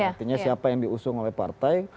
artinya siapa yang diusung oleh partai